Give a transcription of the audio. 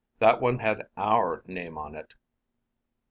That one had our name on it."